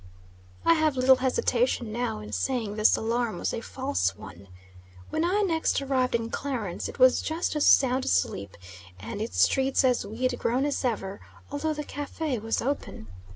I have little hesitation now in saying this alarm was a false one. When I next arrived in Clarence it was just as sound asleep and its streets as weed grown as ever, although the cafe was open.